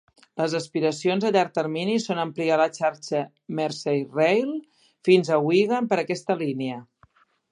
Les aspiracions a llarg termini són ampliar la xarxa Merseyrail fins a Wigan per aquesta línia.